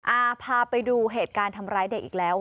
พาไปดูเหตุการณ์ทำร้ายเด็กอีกแล้ว